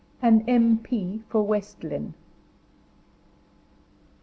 AN M. P. FOR WEST LYNNE.